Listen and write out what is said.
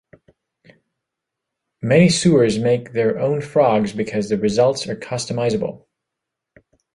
Many sewers make their own frogs because the results are customizable.